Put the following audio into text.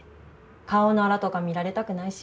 顔のアラとか見られたくないし。